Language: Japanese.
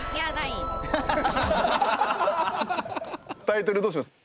タイトルどうします？